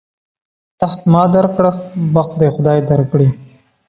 تخت ما در کړ، بخت دې خدای در کړي.